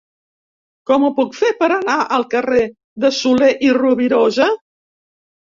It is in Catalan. Com ho puc fer per anar al carrer de Soler i Rovirosa?